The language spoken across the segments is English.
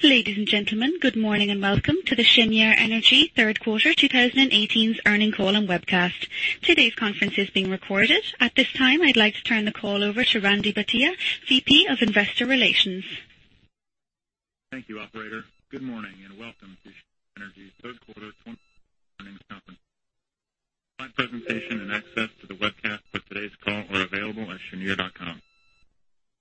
Ladies and gentlemen, good morning and welcome to the Cheniere Energy third quarter 2018 earnings call and webcast. Today's conference is being recorded. At this time, I'd like to turn the call over to Randy Bhatia, VP of Investor Relations. Thank you, operator. Good morning and welcome to Cheniere Energy's third quarter earnings conference. My presentation and access to the webcast for today's call are available at cheniere.com.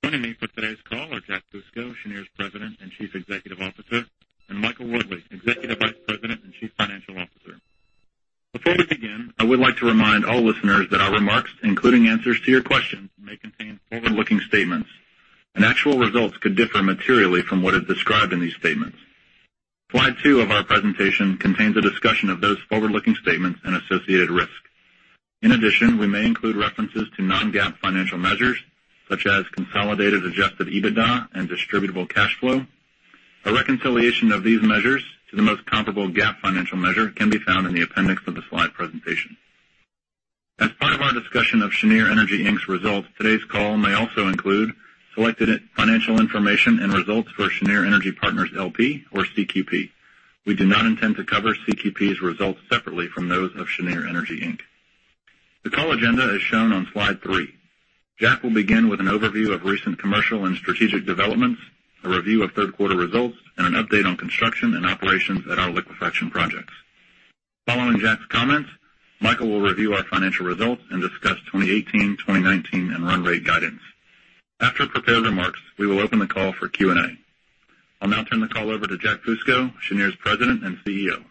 Joining me for today's call are Jack Fusco, Cheniere's President and Chief Executive Officer, and Michael Wortley, Executive Vice President and Chief Financial Officer. Before we begin, I would like to remind all listeners that our remarks, including answers to your questions, may contain forward-looking statements, and actual results could differ materially from what is described in these statements. Slide two of our presentation contains a discussion of those forward-looking statements and associated risks. In addition, we may include references to non-GAAP financial measures, such as consolidated adjusted EBITDA and distributable cash flow. A reconciliation of these measures to the most comparable GAAP financial measure can be found in the appendix of the slide presentation. As part of our discussion of Cheniere Energy, Inc.'s results, today's call may also include selected financial information and results for Cheniere Energy Partners, L.P., or CQP. We do not intend to cover CQP's results separately from those of Cheniere Energy, Inc.. The call agenda is shown on slide three. Jack will begin with an overview of recent commercial and strategic developments, a review of third-quarter results, and an update on construction and operations at our liquefaction projects. Following Jack's comments, Michael will review our financial results and discuss 2018, 2019, and run rate guidance. After prepared remarks, we will open the call for Q&A. I'll now turn the call over to Jack Fusco, Cheniere's President and CEO.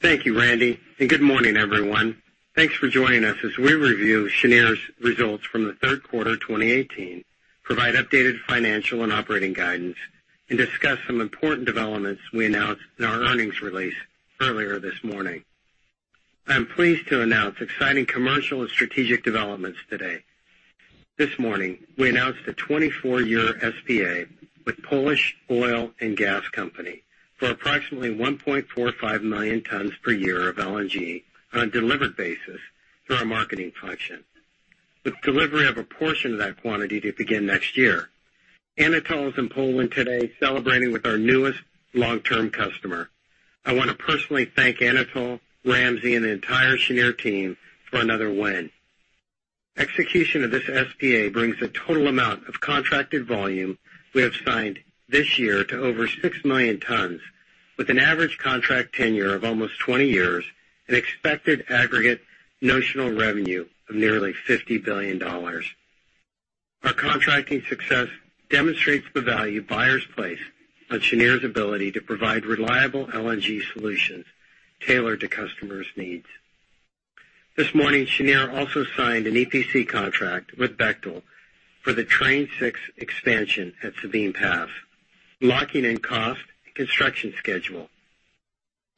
Thank you, Randy, and good morning, everyone. Thanks for joining us as we review Cheniere's results from the third quarter 2018, provide updated financial and operating guidance, and discuss some important developments we announced in our earnings release earlier this morning. I am pleased to announce exciting commercial and strategic developments today. This morning, we announced a 24-year SPA with Polish Oil and Gas Company for approximately $1.45 million tons per year of LNG on a delivered basis through our marketing function, with delivery of a portion of that quantity to begin next year. Anatol is in Poland today celebrating with our newest long-term customer. I want to personally thank Anatol, Ramsey, and the entire Cheniere team for another win. Execution of this SPA brings the total amount of contracted volume we have signed this year to over 6 million tons, with an average contract tenure of almost 20 years and expected aggregate notional revenue of nearly $50 billion. Our contracting success demonstrates the value buyers place on Cheniere's ability to provide reliable LNG solutions tailored to customers' needs. This morning, Cheniere also signed an EPC contract with Bechtel for the Train 6 expansion at Sabine Pass, locking in cost and construction schedule.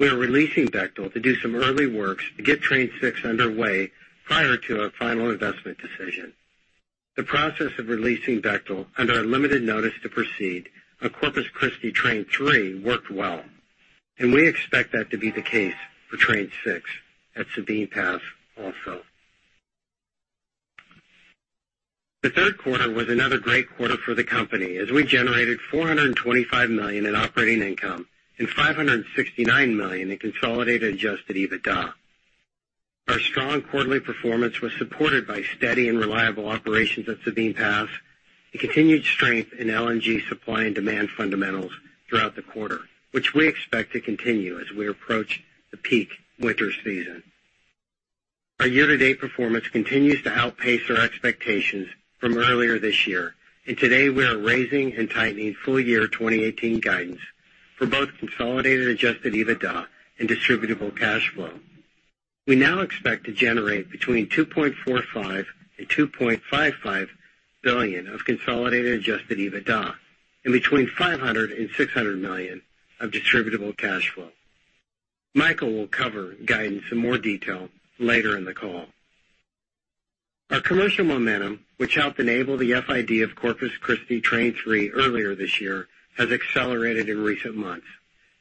We are releasing Bechtel to do some early works to get Train 6 underway prior to our final investment decision. The process of releasing Bechtel under our limited notice to proceed on Corpus Christi Train 3 worked well. We expect that to be the case for Train 6 at Sabine Pass also. The 3rd quarter was another great quarter for the company as we generated $425 million in operating income and $569 million in consolidated adjusted EBITDA. Our strong quarterly performance was supported by steady and reliable operations at Sabine Pass and continued strength in LNG supply and demand fundamentals throughout the quarter, which we expect to continue as we approach the peak winter season. Our year-to-date performance continues to outpace our expectations from earlier this year. Today we are raising and tightening full-year 2018 guidance for both consolidated adjusted EBITDA and distributable cash flow. We now expect to generate between $2.45 billion and $2.55 billion of consolidated adjusted EBITDA and between $500 million and $600 million of distributable cash flow. Michael will cover guidance in more detail later in the call. Our commercial momentum, which helped enable the FID of Corpus Christi Train 3 earlier this year, has accelerated in recent months.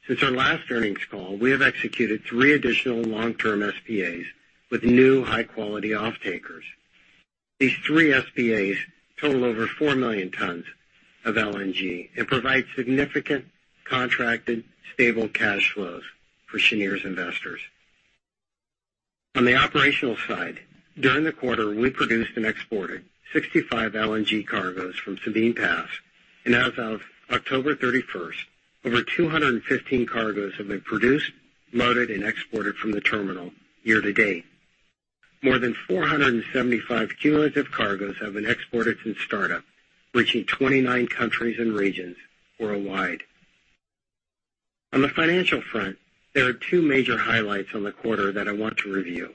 Since our last earnings call, we have executed three additional long-term SPAs with new high-quality offtakers. These 3 SPAs total over 4 million tons of LNG and provide significant contracted stable cash flows for Cheniere's investors. On the operational side, during the quarter, we produced and exported 65 LNG cargos from Sabine Pass. As of October 31st, over 215 cargos have been produced, loaded, and exported from the terminal year to date. More than 475 cumulative cargos have been exported since startup, reaching 29 countries and regions worldwide. On the financial front, there are two major highlights on the quarter that I want to review.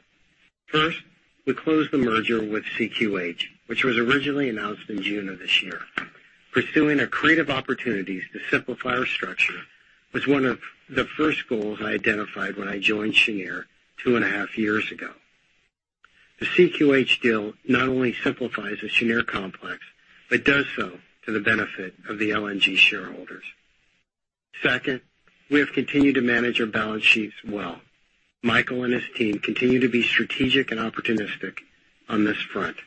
First, we closed the merger with CQH, which was originally announced in June of this year. Pursuing accretive opportunities to simplify our structure was one of the first goals I identified when I joined Cheniere two and a half years ago. The CQH deal not only simplifies the Cheniere complex, but does so to the benefit of the LNG shareholders. Second, we have continued to manage our balance sheets well. Michael and his team continue to be strategic and opportunistic on this front.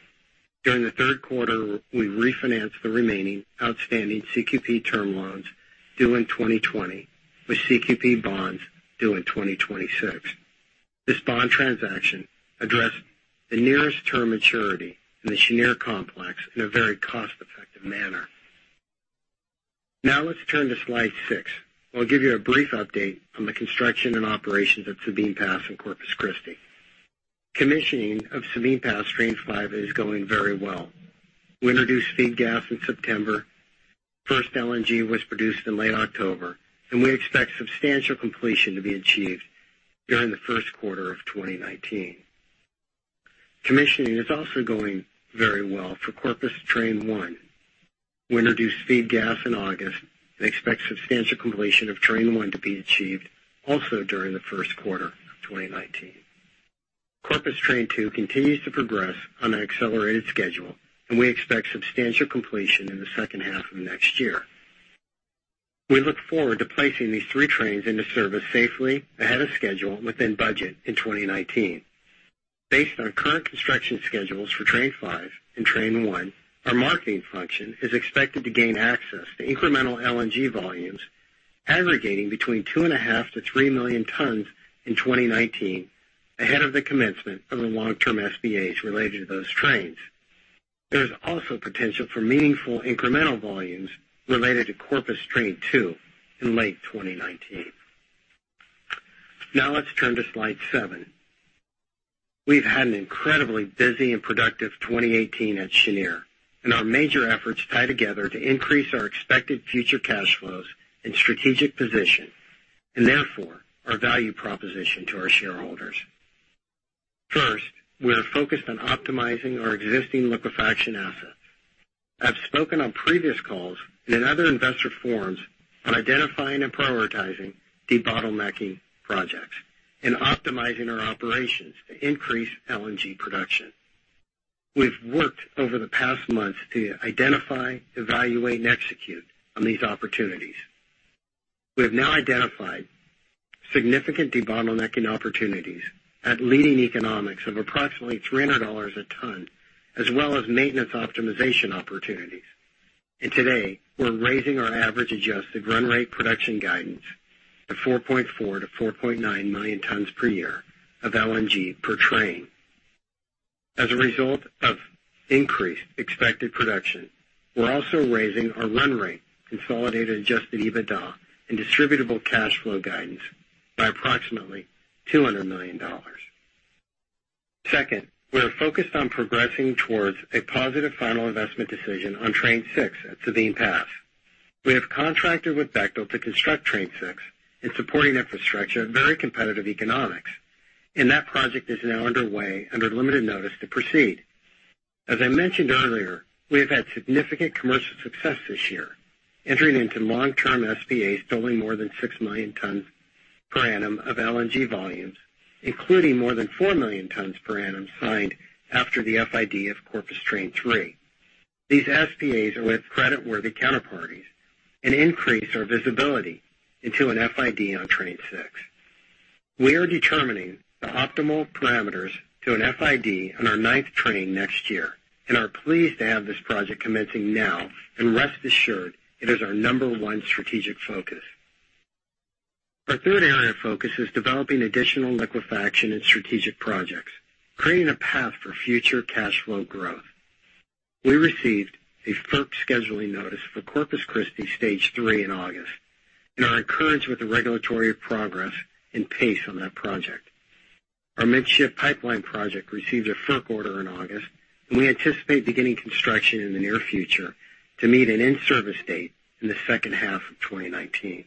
During the third quarter, we refinanced the remaining outstanding CQP term loans due in 2020 with CQP bonds due in 2026. This bond transaction addressed the nearest term maturity in the Cheniere complex in a very cost-effective manner. Now let's turn to slide six, where I'll give you a brief update on the construction and operations of Sabine Pass in Corpus Christi. Commissioning of Sabine Pass Train 5 is going very well. We introduced feed gas in September. First LNG was produced in late October, and we expect substantial completion to be achieved during the first quarter of 2019. Commissioning is also going very well for Corpus Train 1. We introduced feed gas in August and expect substantial completion of Train 1 to be achieved also during the first quarter of 2019. Corpus Train 2 continues to progress on an accelerated schedule, and we expect substantial completion in the second half of next year. We look forward to placing these 3 trains into service safely, ahead of schedule, and within budget in 2019. Based on our current construction schedules for Train 5 and Train 1, our marketing function is expected to gain access to incremental LNG volumes aggregating between 2.5 million-3 million tons in 2019, ahead of the commencement of the long-term SPAs related to those trains. There is also potential for meaningful incremental volumes related to Corpus Train 2 in late 2019. Now let's turn to slide seven. We've had an incredibly busy and productive 2018 at Cheniere, and our major efforts tie together to increase our expected future cash flows and strategic position, and therefore our value proposition to our shareholders. First, we are focused on optimizing our existing liquefaction assets. I've spoken on previous calls and in other investor forums on identifying and prioritizing debottlenecking projects and optimizing our operations to increase LNG production. We've worked over the past months to identify, evaluate, and execute on these opportunities. We have now identified significant debottlenecking opportunities at leading economics of approximately $300 a ton, as well as maintenance optimization opportunities. Today, we're raising our average adjusted run rate production guidance to 4.4 million-4.9 million tons per year of LNG per train. As a result of increased expected production, we're also raising our run rate consolidated adjusted EBITDA and distributable cash flow guidance by approximately $200 million. Second, we are focused on progressing towards a positive Final Investment Decision on Train 6 at Sabine Pass. We have contracted with Bechtel to construct Train 6 and supporting infrastructure at very competitive economics, and that project is now underway under limited notice to proceed. As I mentioned earlier, we have had significant commercial success this year, entering into long-term SPAs totaling more than 6 million tons per annum of LNG volumes, including more than 4 million tons per annum signed after the FID of Corpus Train 3. These SPAs are with creditworthy counterparties and increase our visibility into an FID on Train 6. We are determining the optimal parameters to an FID on our ninth train next year and are pleased to have this project commencing now. Rest assured, it is our number one strategic focus. Our third area of focus is developing additional liquefaction and strategic projects, creating a path for future cash flow growth. We received a FERC scheduling notice for Corpus Christi Stage 3 in August and are encouraged with the regulatory progress and pace on that project. Our Midship Pipeline project received a FERC order in August, and we anticipate beginning construction in the near future to meet an in-service date in the second half of 2019.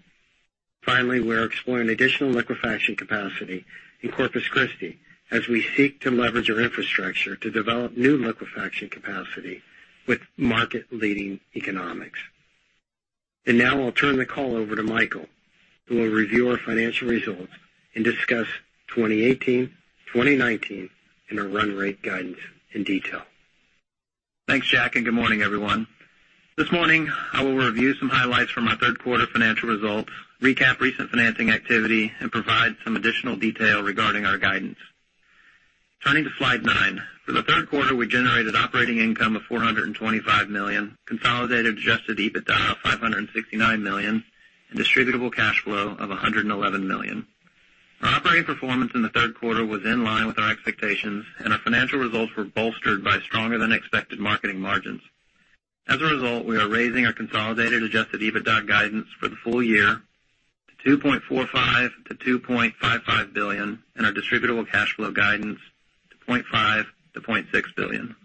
Finally, we are exploring additional liquefaction capacity in Corpus Christi as we seek to leverage our infrastructure to develop new liquefaction capacity with market-leading economics. Now I'll turn the call over to Michael, who will review our financial results and discuss 2018, 2019, and our run rate guidance in detail. Thanks, Jack, and good morning, everyone. This morning, I will review some highlights from our third quarter financial results, recap recent financing activity, and provide some additional detail regarding our guidance. Turning to slide nine. For the third quarter, we generated operating income of $425 million, consolidated adjusted EBITDA of $569 million, and distributable cash flow of $111 million. Our operating performance in the third quarter was in line with our expectations, and our financial results were bolstered by stronger-than-expected marketing margins. As a result, we are raising our consolidated adjusted EBITDA guidance for the full year to $2.45 billion-$2.55 billion and our distributable cash flow guidance to $0.5 billion-$0.6 billion.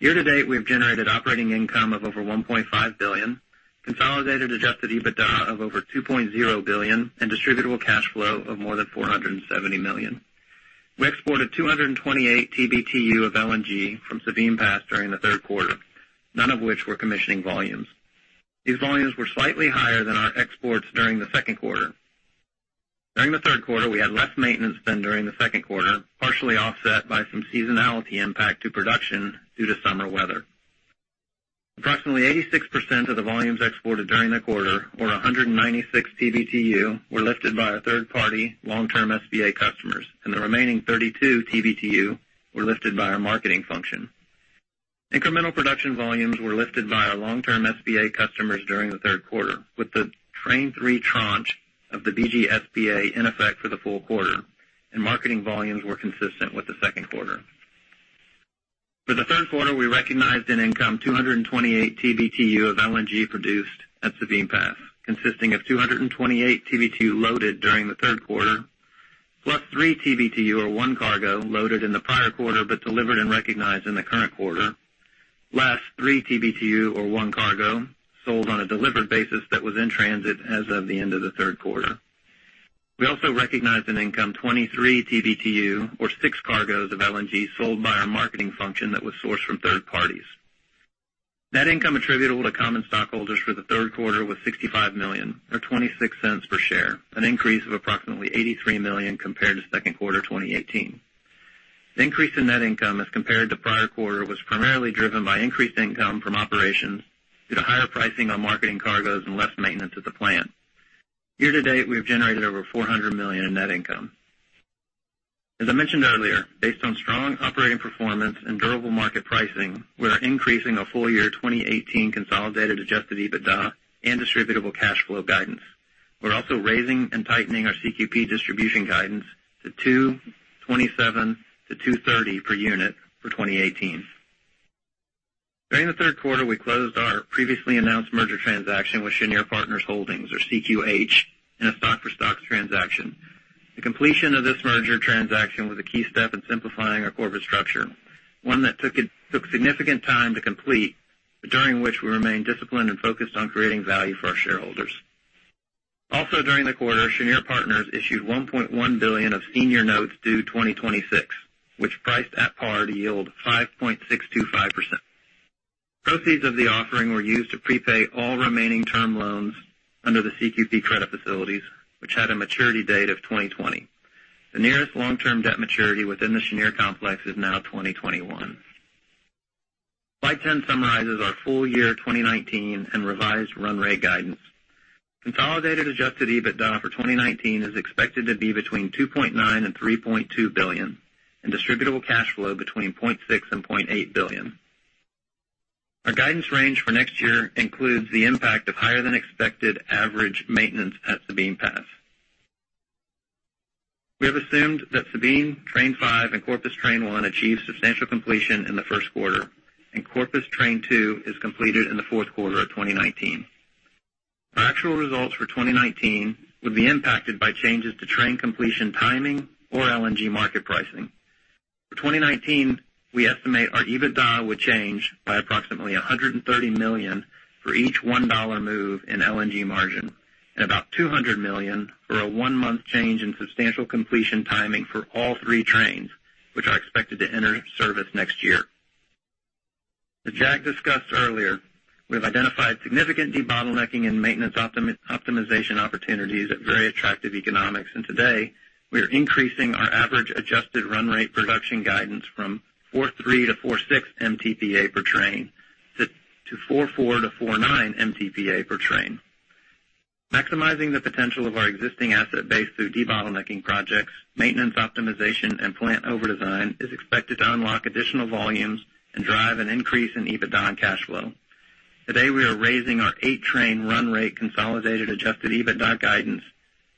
Year-to-date, we have generated operating income of over $1.5 billion, consolidated adjusted EBITDA of over $2.0 billion, and distributable cash flow of more than $470 million. We exported 228 TBtu of LNG from Sabine Pass during the third quarter, none of which were commissioning volumes. These volumes were slightly higher than our exports during the second quarter. During the third quarter, we had less maintenance than during the second quarter, partially offset by some seasonality impact to production due to summer weather. Approximately 86% of the volumes exported during the quarter, or 196 TBtu, were lifted by our third-party long-term SPA customers, and the remaining 32 TBtu were lifted by our marketing function. Incremental production volumes were lifted by our long-term SPA customers during the third quarter, with the Train 3 tranche of the BG SPA in effect for the full quarter, and marketing volumes were consistent with the second quarter. For the third quarter, we recognized an income 228 TBtu of LNG produced at Sabine Pass, consisting of 228 TBtu loaded during the third quarter, plus three TBtu or one cargo loaded in the prior quarter but delivered and recognized in the current quarter, less three TBtu or one cargo sold on a delivered basis that was in transit as of the end of the third quarter. We also recognized an income 23 TBtu or six cargoes of LNG sold by our marketing function that was sourced from third-parties. Net income attributable to common stockholders for the third quarter was $65 million or $0.26 per share, an increase of approximately $83 million compared to second quarter 2018. The increase in net income as compared to prior quarter was primarily driven by increased income from operations due to higher pricing on marketing cargoes and less maintenance at the plant. Year to date, we have generated over $400 million in net income. As I mentioned earlier, based on strong operating performance and durable market pricing, we are increasing our full year 2018 consolidated adjusted EBITDA and distributable cash flow guidance. We're also raising and tightening our CQP distribution guidance to $2.27-$2.30 per unit for 2018. During the third quarter, we closed our previously announced merger transaction with Cheniere Partners Holdings, or CQH, in a stock-for-stocks transaction. The completion of this merger transaction was a key step in simplifying our corporate structure, one that took significant time to complete, but during which we remained disciplined and focused on creating value for our shareholders. Also during the quarter, Cheniere Partners issued $1.1 billion of senior notes due 2026, which priced at par to yield 5.625%. Proceeds of the offering were used to prepay all remaining term loans under the CQP credit facilities, which had a maturity date of 2020. The nearest long-term debt maturity within the Cheniere complex is now 2021. Slide 10 summarizes our full year 2019 and revised run rate guidance. Consolidated adjusted EBITDA for 2019 is expected to be between $2.9 billion and $3.2 billion, and distributable cash flow between $0.6 billion and $0.8 billion. Our guidance range for next year includes the impact of higher than expected average maintenance at Sabine Pass. We have assumed that Sabine Train 5 and Corpus Train 1 achieve substantial completion in the first quarter, and Corpus Train 2 is completed in the fourth quarter of 2019. Our actual results for 2019 would be impacted by changes to train completion timing or LNG market pricing. For 2019, we estimate our EBITDA would change by approximately $130 million for each $1 move in LNG margin and about $200 million for a one-month change in substantial completion timing for all three trains, which are expected to enter service next year. As Jack discussed earlier, we have identified significant debottlenecking and maintenance optimization opportunities at very attractive economics, today, we are increasing our average adjusted run rate production guidance from 4.3-4.6 MTPA per train to 4.4-4.9 MTPA per train. Maximizing the potential of our existing asset base through debottlenecking projects, maintenance optimization, and plant overdesign is expected to unlock additional volumes and drive an increase in EBITDA and cash flow. Today, we are raising our eight-train run rate consolidated adjusted EBITDA guidance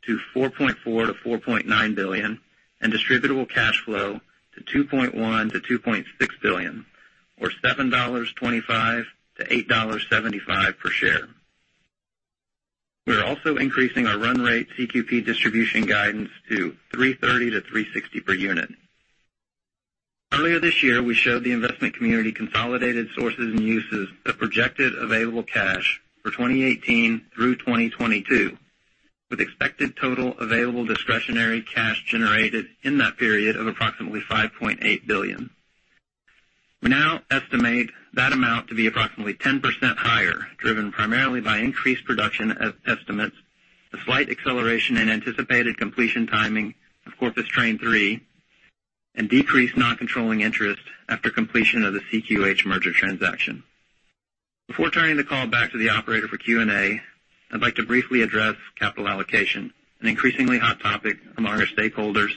to $4.4 billion-$4.9 billion and distributable cash flow to $2.1 billion to $2.6 billion, or $7.25-$8.75 per share. We are also increasing our run rate CQP distribution guidance to $3.30-$3.60 per unit. Earlier this year, we showed the investment community consolidated sources and uses of projected available cash for 2018 through 2022, with expected total available discretionary cash generated in that period of approximately $5.8 billion. We now estimate that amount to be approximately 10% higher, driven primarily by increased production estimates, a slight acceleration in anticipated completion timing of Corpus Train 3, and decreased non-controlling interest after completion of the CQH merger transaction. Before turning the call back to the operator for Q&A, I'd like to briefly address capital allocation, an increasingly hot topic among our stakeholders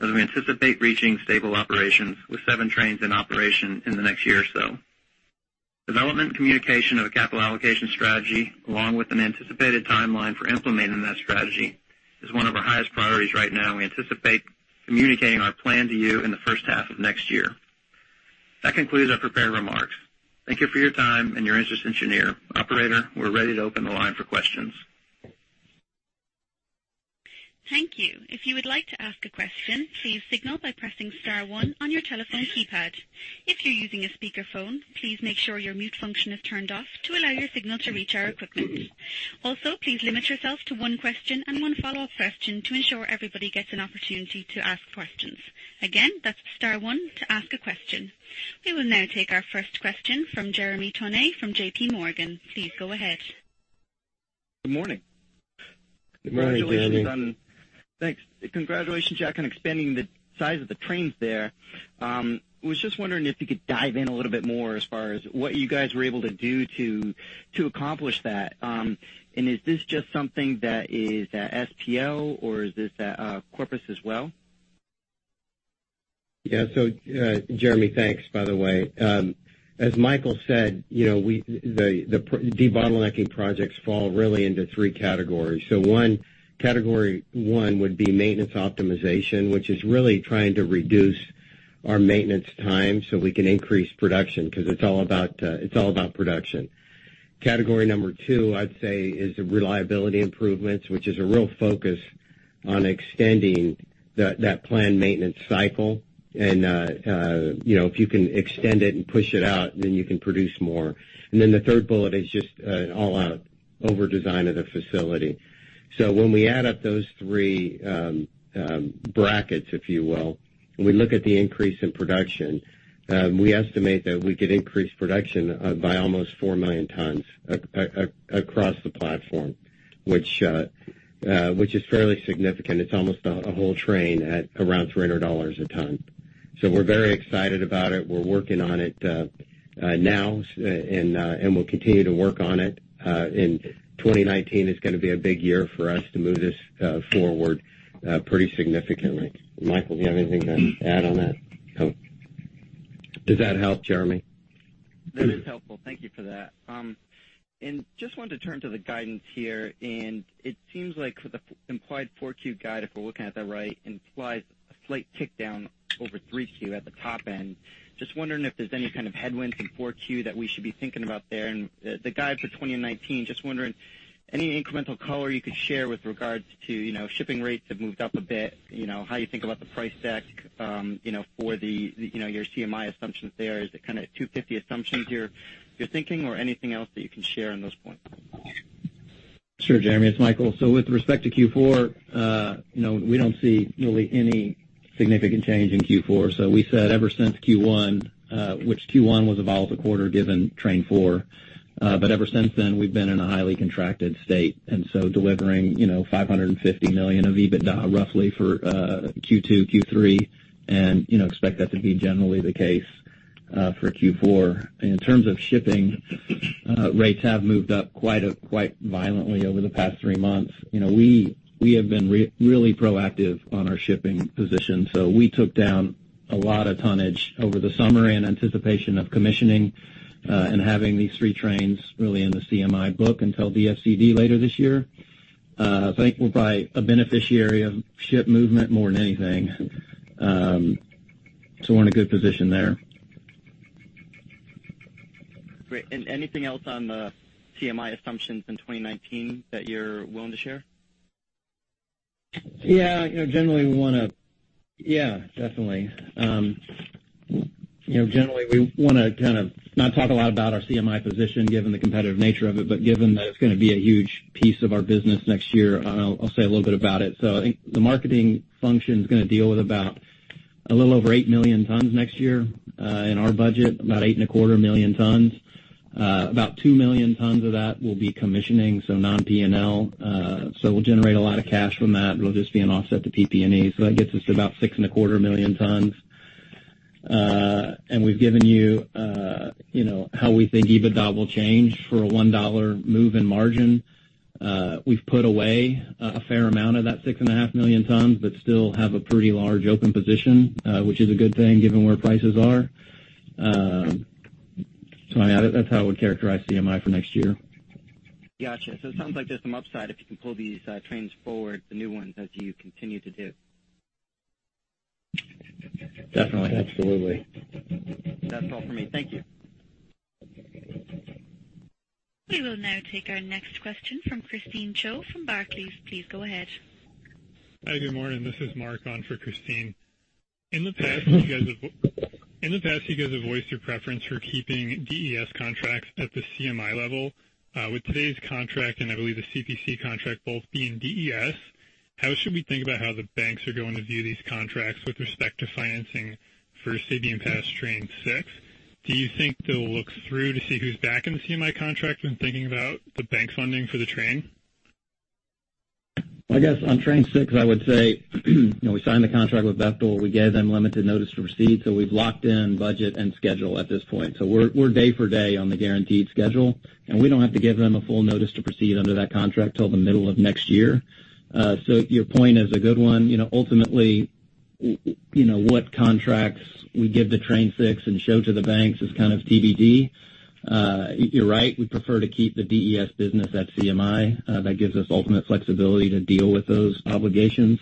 as we anticipate reaching stable operations with seven trains in operation in the next year or so. Development and communication of a capital allocation strategy, along with an anticipated timeline for implementing that strategy, is one of our highest priorities right now. We anticipate communicating our plan to you in the first half of next year. That concludes our prepared remarks. Thank you for your time and your interest in Cheniere. Operator, we're ready to open the line for questions. Thank you. If you would like to ask a question, please signal by pressing star one on your telephone keypad. If you're using a speakerphone, please make sure your mute function is turned off to allow your signal to reach our equipment. Also, please limit yourself to one question and one follow-up question to ensure everybody gets an opportunity to ask questions. Again, that's star 1 to ask a question. We will now take our first question from Jeremy Tonet from JPMorgan. Please go ahead. Good morning. Good morning, Jeremy. Thanks. Congratulations, Jack, on expanding the size of the trains there. I was just wondering if you could dive in a little bit more as far as what you guys were able to do to accomplish that. Is this just something that is at SPL or is this at Corpus as well? Yeah. Jeremy, thanks by the way. As Michael said, the debottlenecking projects fall really into three categories. Category 1 would be maintenance optimization, which is really trying to reduce our maintenance time so we can increase production, because it's all about production. Category number 2, I'd say, is the reliability improvements, which is a real focus on extending that planned maintenance cycle. If you can extend it and push it out, then you can produce more. The third bullet is just an all-out overdesign of the facility. When we add up those three brackets, if you will, we look at the increase in production. We estimate that we could increase production by almost 4 million tons across the platform, which is fairly significant. It's almost a whole train at around $300 a ton. We're very excited about it. We're working on it now, and we'll continue to work on it. 2019 is going to be a big year for us to move this forward pretty significantly. Michael, do you have anything to add on that? Does that help, Jeremy? That is helpful. Thank you for that. Just wanted to turn to the guidance here, and it seems like for the implied 4Q guide, if we're looking at that right, implies a slight tick down over 3Q at the top end. Just wondering if there's any kind of headwinds in 4Q that we should be thinking about there. The guide for 2019, just wondering, any incremental color you could share with regards to shipping rates have moved up a bit, how you think about the price deck for your CMI assumptions there. Is it kind of $250 assumptions you're thinking or anything else that you can share on those points? Sure. Jeremy, it's Michael. With respect to Q4, we don't see really any significant change in Q4. We said ever since Q1, which Q1 was a volatile quarter given Train IV, but ever since then, we've been in a highly contracted state. Delivering $550 million of EBITDA roughly for Q2, Q3 and expect that to be generally the case for Q4. In terms of shipping, rates have moved up quite violently over the past three months. We have been really proactive on our shipping position. We took down a lot of tonnage over the summer in anticipation of commissioning and having these three trains really in the CMI book until the DFCD later this year. I think we're probably a beneficiary of ship movement more than anything. We're in a good position there. Great. Anything else on the CMI assumptions in 2019 that you're willing to share? Yeah. Definitely. Generally we want to kind of not talk a lot about our CMI position, given the competitive nature of it, but given that it's going to be a huge piece of our business next year, I'll say a little bit about it. I think the marketing function is going to deal with about a little over 8 million tons next year. In our budget, about 8.25 million tons. About 2 million tons of that will be commissioning, so non-P&L. We'll generate a lot of cash from that, it'll just be an offset to PP&E. That gets us to about 6.25 million tons. We've given you how we think EBITDA will change for a $1 move in margin. We've put away a fair amount of that 6.5 million tons, but still have a pretty large open position, which is a good thing given where prices are. That's how I would characterize CMI for next year. Got you. It sounds like there's some upside if you can pull these trains forward, the new ones, as you continue to do. Definitely. Absolutely. That's all for me. Thank you. We will now take our next question from Christine Cho from Barclays. Please go ahead. Hi, good morning. This is Mark on for Christine. In the past, you guys have voiced your preference for keeping DES contracts at the CMI level. With today's contract, and I believe the CPC contract both being DES, how should we think about how the banks are going to view these contracts with respect to financing for Sabine Pass Train 6? Do you think they'll look through to see who's backing the CMI contract when thinking about the bank funding for the train? I guess on Train 6, I would say, we signed the contract with Bechtel. We gave them limited notice to proceed. We've locked in budget and schedule at this point. We're day for day on the guaranteed schedule, and we don't have to give them a full notice to proceed under that contract till the middle of next year. Your point is a good one. Ultimately, what contracts we give to Train 6 and show to the banks is kind of TBD. You're right, we prefer to keep the DES business at CMI. That gives us ultimate flexibility to deal with those obligations.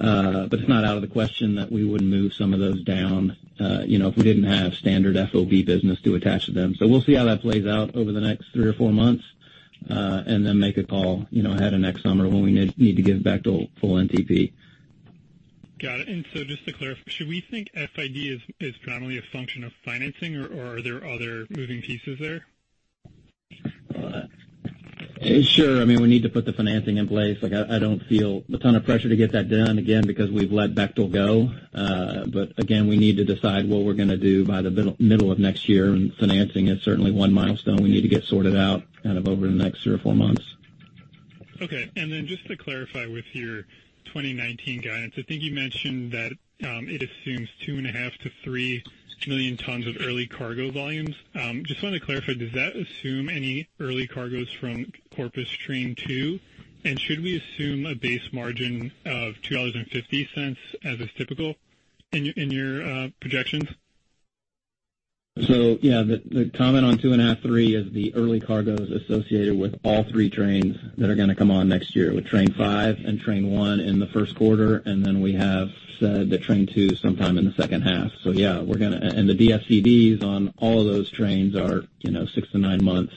It's not out of the question that we wouldn't move some of those down if we didn't have standard FOB business to attach to them. We'll see how that plays out over the next three or four months, and then make a call ahead of next summer when we need to give Bechtel full NTP. Got it. Just to clarify, should we think FID is predominantly a function of financing or are there other moving pieces there? Sure. I mean, we need to put the financing in place. I don't feel a ton of pressure to get that done again because we've let Bechtel go. Again, we need to decide what we're going to do by the middle of next year, and financing is certainly one milestone we need to get sorted out over the next three or four months. Okay. Just to clarify with your 2019 guidance, I think you mentioned that it assumes 2.5 million-3 million tons of early cargo volumes. Just want to clarify, does that assume any early cargoes from Corpus Train 2? Should we assume a base margin of $2.50 as is typical in your projections? The comment on 2.5, 3 is the early cargoes associated with all three trains that are going to come on next year with Train 5 and Train 1 in the 1st quarter, then we have the Train 2 sometime in the second half. The DFCDs on all of those trains are six to nine months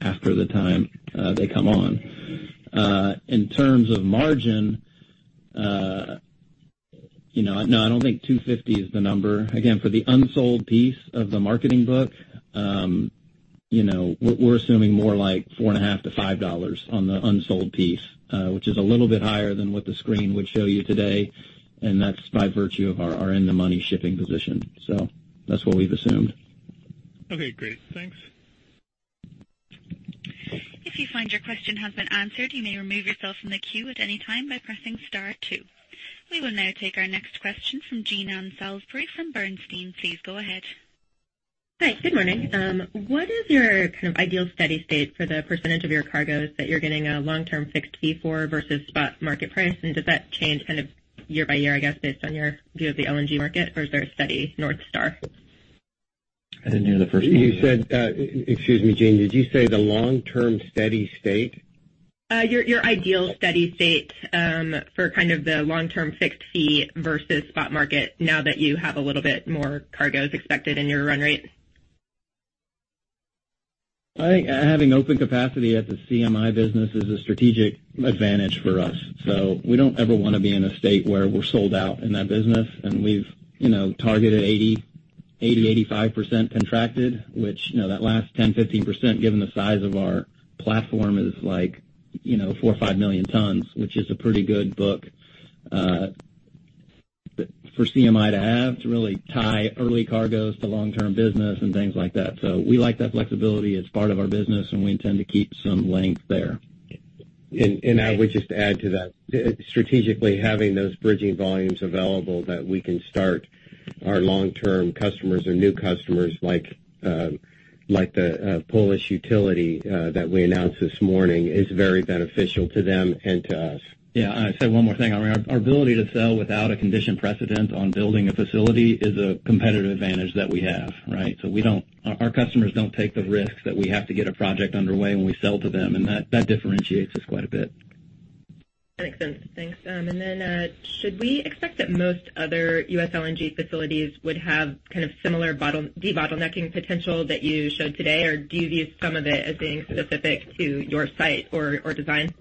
after the time they come on. In terms of margin, no, I don't think $2.50 is the number. Again, for the unsold piece of the marketing book, we're assuming more like $4.50-$5.00 on the unsold piece, which is a little bit higher than what the screen would show you today, and that's by virtue of our in-the-money shipping position. That's what we've assumed. Okay, great. Thanks. If you find your question has been answered, you may remove yourself from the queue at any time by pressing star two. We will now take our next question from Jean Ann Salisbury from Bernstein. Please go ahead. Hi. Good morning. What is your kind of ideal steady state for the percentage of your cargoes that you're getting a long-term fixed fee for versus spot market price? Does that change kind of year by year, I guess, based on your view of the LNG market, or is there a steady North Star? I didn't hear the first part of that. Excuse me, Jean, did you say the long-term steady state? Your ideal steady state for kind of the long-term fixed fee versus spot market now that you have a little bit more cargoes expected in your run rate. I think having open capacity at the CMI business is a strategic advantage for us. We don't ever want to be in a state where we're sold out in that business. We've targeted 80%-85% contracted, which that last 10%, 15%, given the size of our platform is 4 or 5 million tons, which is a pretty good book for CMI to have to really tie early cargoes to long-term business and things like that. We like that flexibility. It's part of our business, and we intend to keep some length there. I would just add to that, strategically having those bridging volumes available that we can start our long-term customers or new customers like the Polish utility that we announced this morning is very beneficial to them and to us. Yeah. I say one more thing. Our ability to sell without a condition precedent on building a facility is a competitive advantage that we have, right? Our customers don't take the risks that we have to get a project underway when we sell to them, and that differentiates us quite a bit. Makes sense. Thanks. Should we expect that most other U.S. LNG facilities would have kind of similar debottlenecking potential that you showed today? Or do you view some of it as being specific to your site or design?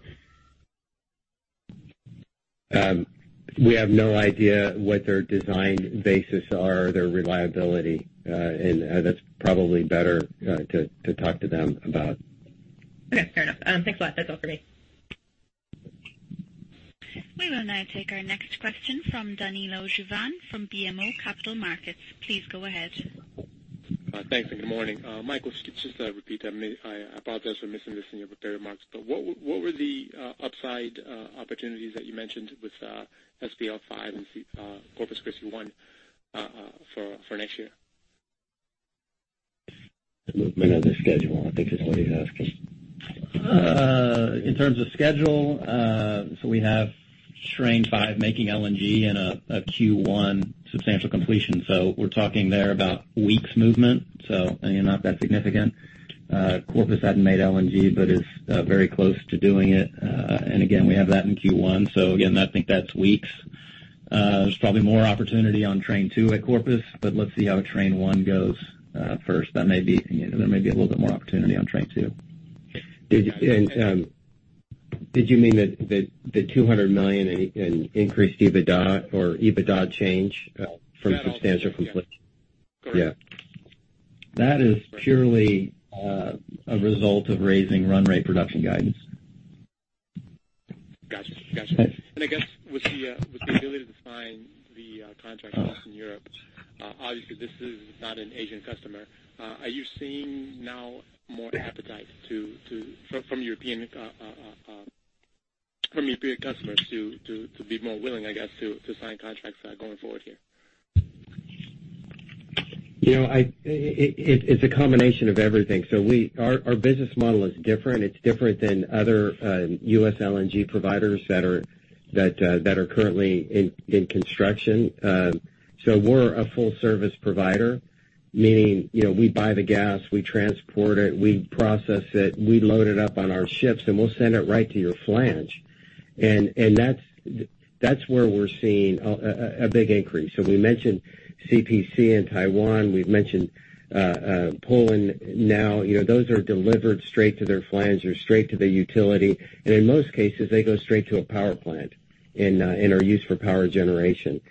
We have no idea what their design basis are or their reliability. That's probably better to talk to them about. Okay. Fair enough. Thanks a lot. That's all for me. We will now take our next question from Danilo Juvane from BMO Capital Markets. Please go ahead. Thanks and good morning. Michael, could you just repeat that? I apologize for missing this in your prepared remarks, what were the upside opportunities that you mentioned with SPL 5 and Corpus Christi 1 for next year? Movement of the schedule, I think is what he's asking. In terms of schedule, we have Train Five making LNG and a Q1 substantial completion. We're talking there about weeks movement, not that significant. Corpus hasn't made LNG but is very close to doing it. Again, we have that in Q1. Again, I think that's weeks. There's probably more opportunity on Train Two at Corpus, let's see how Train One goes first. There may be a little bit more opportunity on Train Two. Did you mean the $200 million in increased EBITDA or EBITDA change from substantial completion? Yeah. That is purely a result of raising run rate production guidance. Gotcha. I guess with the ability to define the contract across in Europe, obviously this is not an Asian customer. Are you seeing now more appetite from European customers to be more willing, I guess, to sign contracts going forward here? It's a combination of everything. Our business model is different. It's different than other U.S. LNG providers that are currently in construction. We're a full service provider, meaning we buy the gas, we transport it, we process it, we load it up on our ships, and we'll send it right to your flange. That's where we're seeing a big increase. We mentioned CPC in Taiwan, we've mentioned Poland now. Those are delivered straight to their flange or straight to the utility. In most cases, they go straight to a power plant and are used for power generation.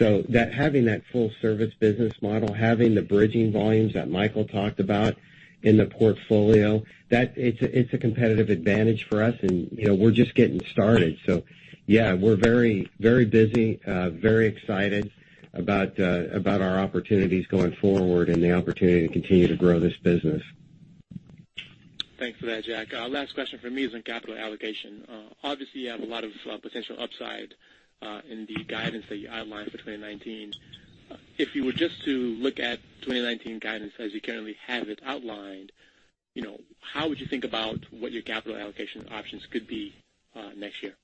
Having that full service business model, having the bridging volumes that Michael talked about in the portfolio, it's a competitive advantage for us. We're just getting started. Yeah, we're very busy, very excited about our opportunities going forward and the opportunity to continue to grow this business. Thanks for that, Jack. Last question from me is on capital allocation. Obviously, you have a lot of potential upside in the guidance that you outlined for 2019. If you were just to look at 2019 guidance as you currently have it outlined, how would you think about what your capital allocation options could be next year?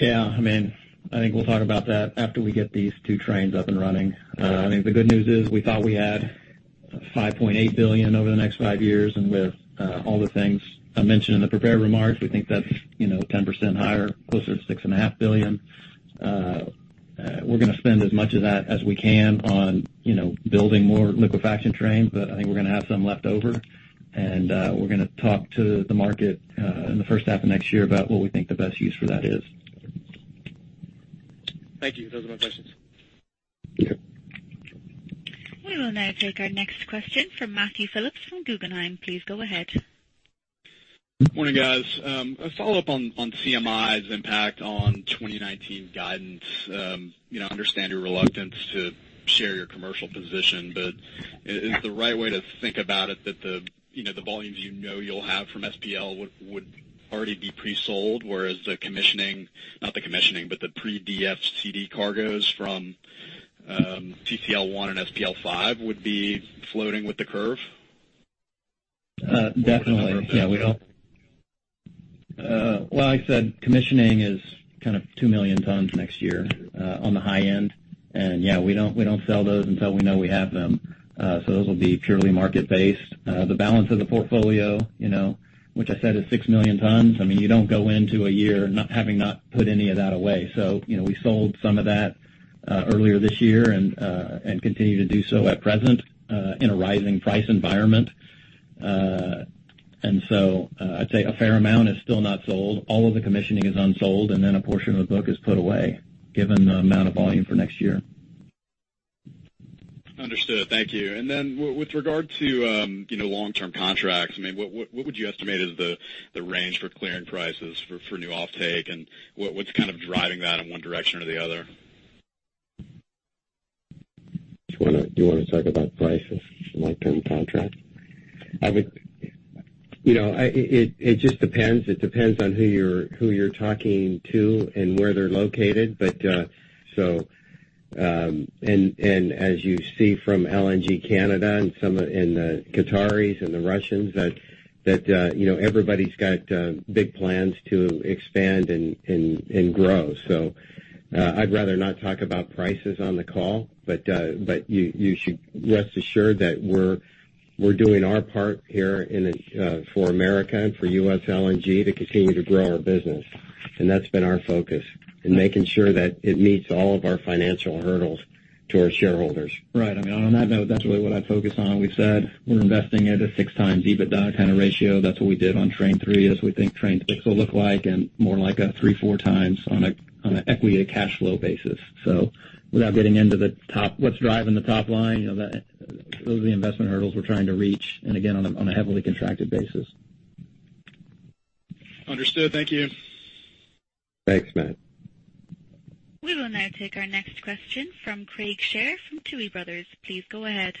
Yeah. I think we'll talk about that after we get these two trains up and running. I think the good news is we thought we had $5.8 billion over the next five years, and with all the things I mentioned in the prepared remarks, we think that's 10% higher, closer to $6.5 billion. We're going to spend as much of that as we can on building more liquefaction trains, but I think we're going to have some left over. We're going to talk to the market in the first half of next year about what we think the best use for that is. Thank you. Those are my questions. Yeah. We will now take our next question from Matthew Phillips from Guggenheim. Please go ahead. Morning, guys. A follow-up on CMI's impact on 2019 guidance. I understand your reluctance to share your commercial position, but is the right way to think about it that the volumes you know you'll have from SPL would already be pre-sold, whereas the pre-DFCD cargoes from CCL 1 and SPL 5 would be floating with the curve? Definitely. Well, like I said, commissioning is kind of 2 million tons next year on the high end. We don't sell those until we know we have them. Those will be purely market-based. The balance of the portfolio, which I said is 6 million tons. You don't go into a year having not put any of that away. We sold some of that earlier this year and continue to do so at present in a rising price environment. I'd say a fair amount is still not sold. All of the commissioning is unsold, and then a portion of the book is put away, given the amount of volume for next year. Understood. Thank you. With regard to long-term contracts, what would you estimate is the range for clearing prices for new offtake? What's kind of driving that in one direction or the other? Do you want to talk about prices for long-term contracts? It just depends. It depends on who you're talking to and where they're located. As you see from LNG Canada and the Qataris and the Russians that everybody's got big plans to expand and grow. I'd rather not talk about prices on the call, but you should rest assured that we're doing our part here for America and for U.S. LNG to continue to grow our business. That's been our focus in making sure that it meets all of our financial hurdles to our shareholders. Right. On that note, that's really what I'd focus on. We said we're investing at a 6x EBITDA kind of ratio. That's what we did on train 3, as we think train 6 will look like, and more like a 3x, 4x on an equity to cash flow basis. Without getting into what's driving the top line, those are the investment hurdles we're trying to reach, and again, on a heavily contracted basis. Understood. Thank you. Thanks, Matt. We will now take our next question from Craig Shere from Tuohy Brothers. Please go ahead.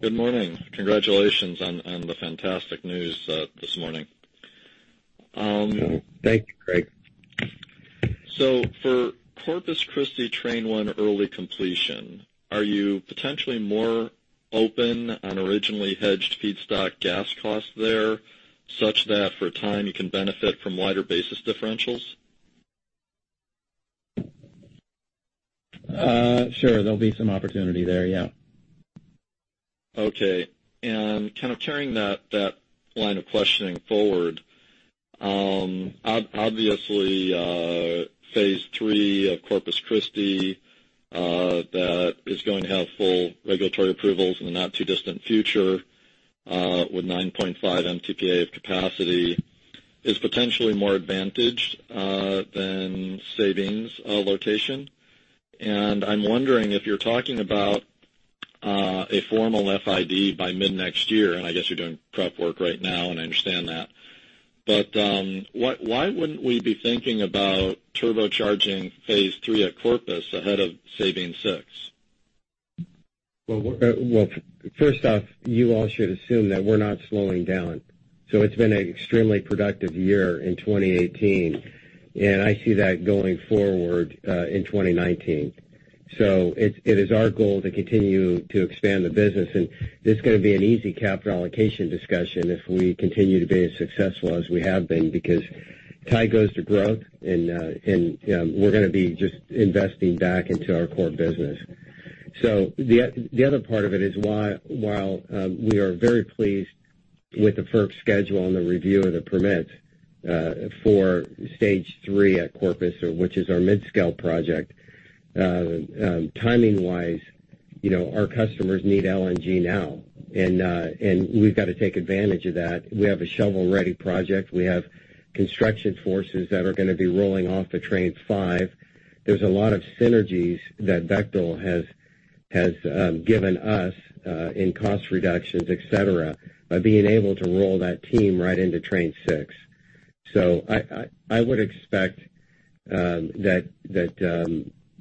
Good morning. Congratulations on the fantastic news this morning. Thank you, Craig. For Corpus Christi train one early completion, are you potentially more open on originally hedged feedstock gas costs there, such that for a time you can benefit from wider basis differentials? Sure, there'll be some opportunity there, yeah. Okay. Kind of carrying that line of questioning forward. Obviously, phase III of Corpus Christi that is going to have full regulatory approvals in the not-too-distant future with 9.5 MTPA of capacity is potentially more advantaged than Sabine Pass allocation. I'm wondering if you're talking about a formal FID by mid-next year, and I guess you're doing prep work right now, and I understand that. Why wouldn't we be thinking about turbocharging phase III at Corpus ahead of Sabine Pass 6? First off, you all should assume that we're not slowing down. It's been an extremely productive year in 2018, and I see that going forward in 2019. It is our goal to continue to expand the business, and it's going to be an easy capital allocation discussion if we continue to be as successful as we have been because tie goes to growth, and we're going to be just investing back into our core business. The other part of it is while we are very pleased with the FERC schedule and the review of the permits for stage 3 at Corpus, which is our mid-scale project. Timing-wise, our customers need LNG now, and we've got to take advantage of that. We have a shovel-ready project. We have construction forces that are going to be rolling off of Train 5. There's a lot of synergies that Bechtel has given us in cost reductions, et cetera, by being able to roll that team right into Train 6. I would expect that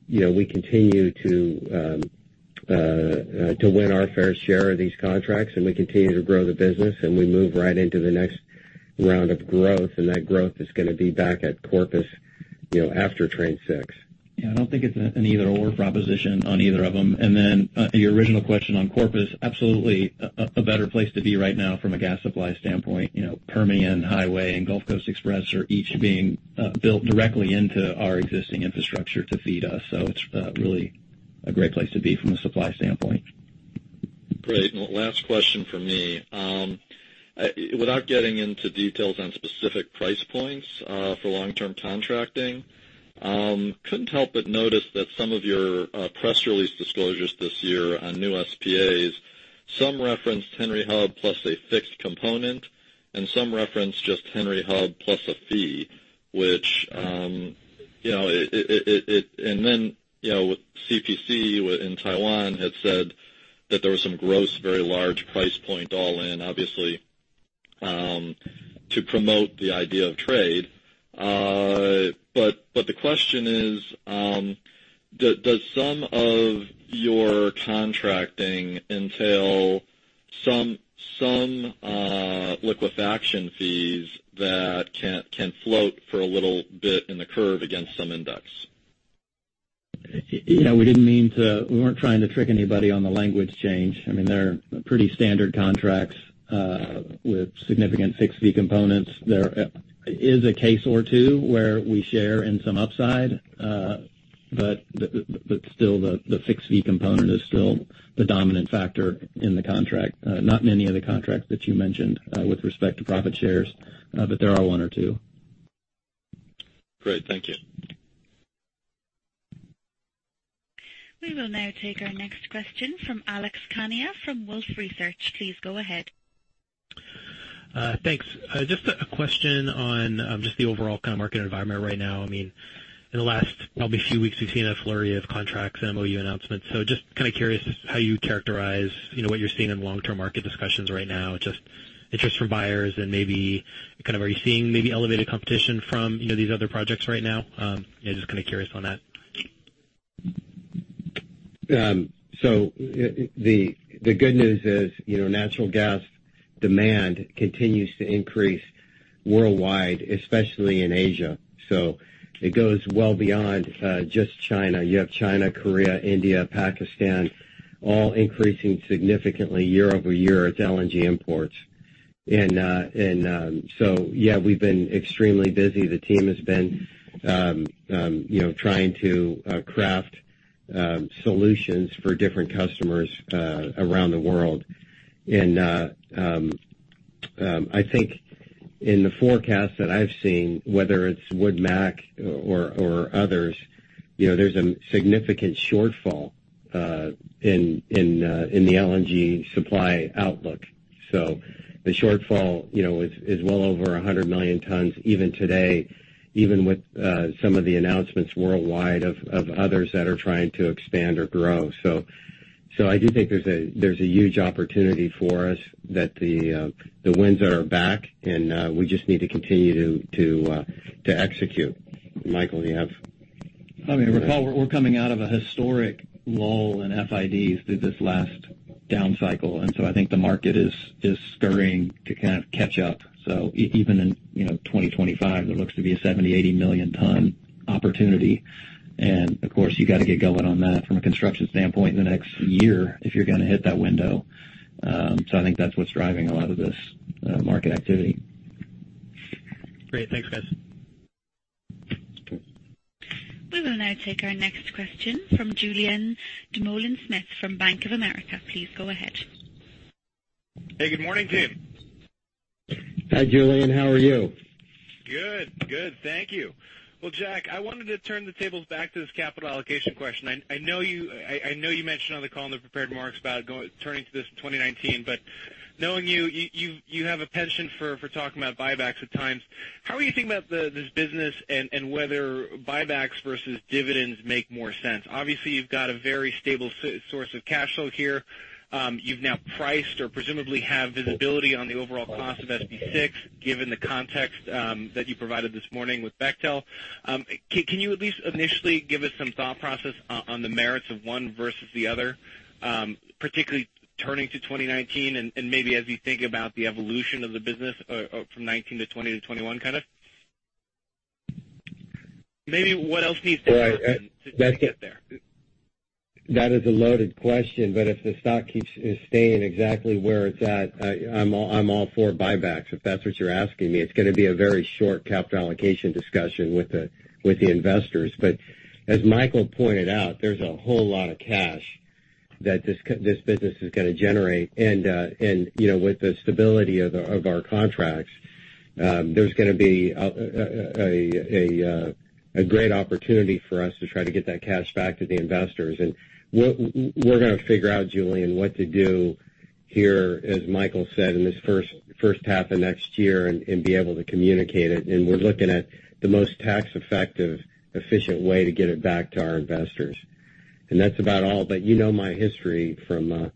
we continue to win our fair share of these contracts and we continue to grow the business, and we move right into the next round of growth, and that growth is going to be back at Corpus after Train 6. I don't think it's an either/or proposition on either of them. Your original question on Corpus, absolutely, a better place to be right now from a gas supply standpoint. Permian Highway and Gulf Coast Express are each being built directly into our existing infrastructure to feed us. It's really a great place to be from a supply standpoint. Great. Last question from me. Without getting into details on specific price points for long-term contracting, couldn't help but notice that some of your press release disclosures this year on new SPAs, some referenced Henry Hub plus a fixed component, and some referenced just Henry Hub plus a fee. Then with CPC in Taiwan had said that there was some gross, very large price point all in, obviously, to promote the idea of trade. The question is, does some of your contracting entail some liquefaction fees that can float for a little bit in the curve against some index? We weren't trying to trick anybody on the language change. I mean, they're pretty standard contracts with significant fixed fee components. There is a case or two where we share in some upside. Still, the fixed fee component is still the dominant factor in the contract. Not many of the contracts that you mentioned with respect to profit shares, but there are one or two. Great. Thank you. We will now take our next question from Alex Kania from Wolfe Research. Please go ahead. Thanks. Just a question on just the overall kind of market environment right now. In the last probably few weeks, we've seen a flurry of contracts and MOU announcements. Just kind of curious how you characterize what you're seeing in long-term market discussions right now, just interest from buyers and maybe kind of are you seeing maybe elevated competition from these other projects right now? Yeah, just kind of curious on that. The good news is natural gas demand continues to increase worldwide, especially in Asia. It goes well beyond just China. You have China, Korea, India, Pakistan all increasing significantly year-over-year its LNG imports. Yeah, we've been extremely busy. The team has been trying to craft solutions for different customers around the world. I think in the forecast that I've seen, whether it's WoodMac or others, there's a significant shortfall in the LNG supply outlook. The shortfall is well over 100 million tons even today, even with some of the announcements worldwide of others that are trying to expand or grow. I do think there's a huge opportunity for us that the winds are at our back, and we just need to continue to execute. Michael, you have- If you recall, we're coming out of a historic lull in FIDs through this last down cycle, I think the market is scurrying to kind of catch up. Even in 2025, there looks to be a 70, 80 million ton opportunity. Of course, you got to get going on that from a construction standpoint in the next year if you're going to hit that window. I think that's what's driving a lot of this market activity. Great. Thanks, guys. We will now take our next question from Julien Dumoulin-Smith from Bank of America. Please go ahead. Hey, good morning, team. Hi, Julien, how are you? Good. Thank you. Well, Jack, I wanted to turn the tables back to this capital allocation question. I know you mentioned on the call in the prepared remarks about turning to this 2019. Knowing you have a penchant for talking about buybacks at times. How are you thinking about this business and whether buybacks versus dividends make more sense? Obviously, you've got a very stable source of cash flow here. You've now priced or presumably have visibility on the overall cost of SP6, given the context that you provided this morning with Bechtel. Can you at least initially give us some thought process on the merits of one versus the other, particularly turning to 2019 and maybe as we think about the evolution of the business from 2019 to 2020 to 2021, kind of? Maybe what else needs to happen to get there? That is a loaded question. If the stock keeps staying exactly where it's at, I'm all for buybacks, if that's what you're asking me. It's going to be a very short capital allocation discussion with the investors. As Michael pointed out, there's a whole lot of cash that this business is going to generate. With the stability of our contracts, there's going to be a great opportunity for us to try to get that cash back to the investors. We're going to figure out, Julien, what to do here, as Michael said, in this first half of next year and be able to communicate it. We're looking at the most tax effective, efficient way to get it back to our investors. That's about all. You know my history from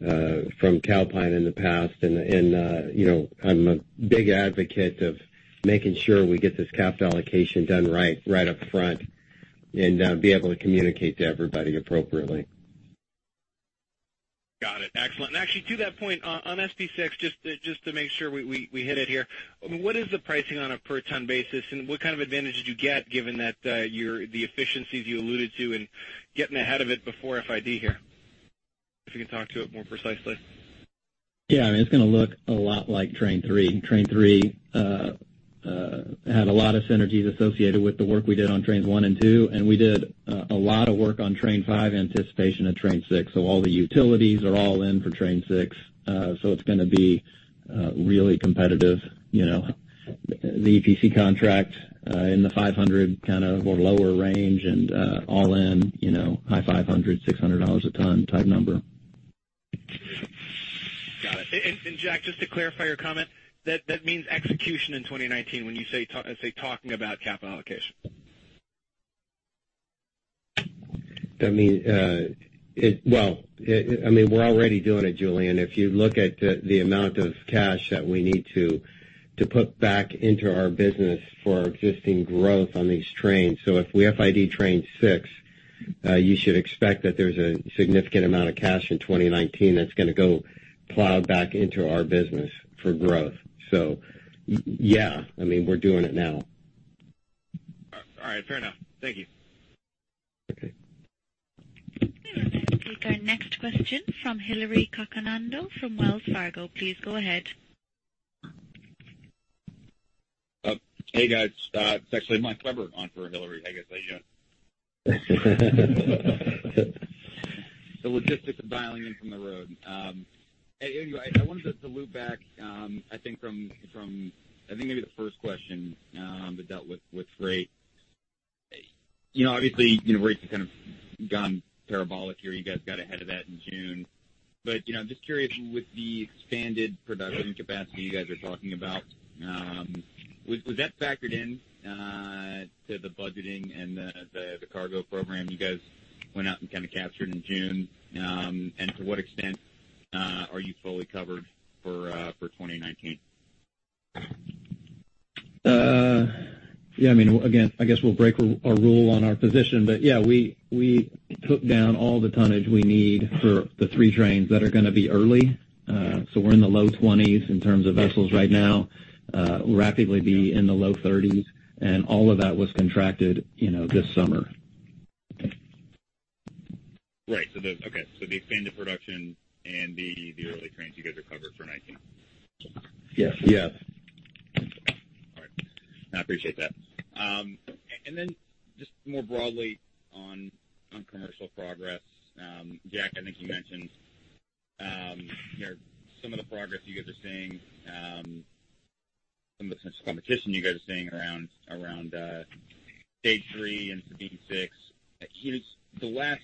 Calpine in the past and I'm a big advocate of making sure we get this capital allocation done right up front and be able to communicate to everybody appropriately. Got it. Excellent. Actually, to that point on SP6, just to make sure we hit it here. What is the pricing on a per ton basis and what kind of advantage did you get given that the efficiencies you alluded to and getting ahead of it before FID here? If you can talk to it more precisely. Yeah. It's going to look a lot like Train 3. Train 3 had a lot of synergies associated with the work we did on Trains 1 and 2, and we did a lot of work on Train 5 in anticipation of Train 6. All the utilities are all in for Train 6. It's going to be really competitive. The EPC contract in the 500 kind of or lower range and all in, high $500-$600 a ton type number. Got it. Jack, just to clarify your comment, that means execution in 2019 when you say talking about capital allocation? Well, we're already doing it, Julien. If you look at the amount of cash that we need to put back into our business for our existing growth on these trains. If we FID Train 6, you should expect that there's a significant amount of cash in 2019 that's going to go plow back into our business for growth. Yeah, we're doing it now. All right. Fair enough. Thank you. Okay. We'll take our next question from Hilary Cacanando from Wells Fargo. Please go ahead. Hey, guys. It's actually Michael Webber on for Hilary. Hey, guys, how you doing? The logistics of dialing in from the road. I wanted to loop back, I think from maybe the first question that dealt with rates. Obviously, rates have kind of gone parabolic here. You guys got ahead of that in June. Just curious with the expanded production capacity you guys are talking about, was that factored in to the budgeting and the cargo program you guys went out and kind of captured in June? To what extent are you fully covered for 2019? Yeah, again, I guess we'll break our rule on our position. Yeah, we took down all the tonnage we need for the 3 trains that are going to be early. We're in the low 20s in terms of vessels right now. Rapidly be in the low 30s. All of that was contracted this summer. Right. Okay. The expanded production and the early trains you guys are covered for 2019. Yes. Yes. All right. I appreciate that. Just more broadly on commercial progress. Jack, I think you mentioned some of the progress you guys are seeing, some of the competition you guys are seeing around Stage 3 and Sabine Pass 6. The last